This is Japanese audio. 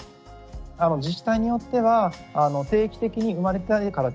自治体によっては定期的に生まれてから